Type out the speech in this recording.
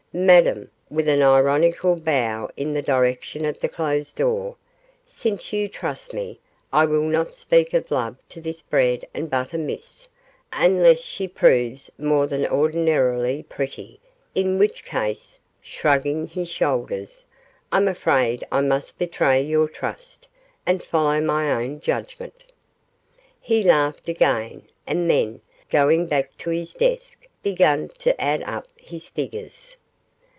Madame,' with an ironical bow in the direction of the closed door, 'since you trust me I will not speak of love to this bread and butter miss, unless she proves more than ordinarily pretty, in which case,' shrugging his shoulders, 'I'm afraid I must betray your trust, and follow my own judgment.' He laughed again, and then, going back to his desk, began to add up his figures.